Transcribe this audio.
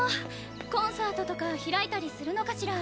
コンサートとか開いたりするのかしら？